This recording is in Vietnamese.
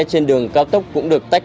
trên đường cao tốc cũng được tách